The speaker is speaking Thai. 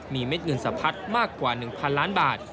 มีเม็ดเงินสะพัดมากกว่า๑๐๐ล้านบาท